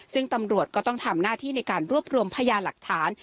ซึ่งตำรวจก็ต้องทำหน้าที่ในการรวบรวมพยาหลักฐาน